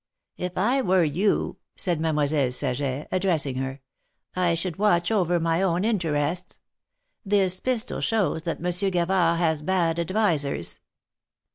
" If I were you," said Mademoiselle Saget, addressing her, " I should watch over my own interests. This pistol shows that Monsieur Gavard has bad advisers."